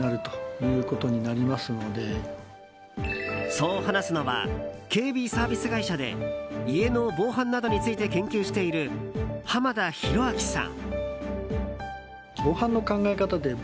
そう話すのは警備サービス会社で家の防犯などについて研究している濱田宏彰さん。